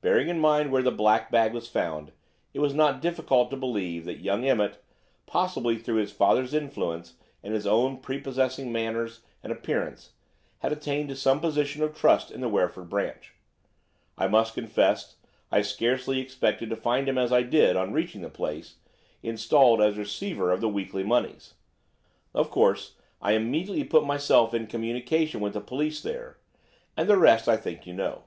Bearing in mind where the black bag was found, it was not difficult to believe that young Emmett, possibly through his father's influence and his own prepossessing manners and appearance, had attained to some position of trust in the Wreford branch. I must confess I scarcely expected to find him as I did, on reaching the place, installed as receiver of the weekly moneys. Of course, I immediately put myself in communication with the police there, and the rest I think you know."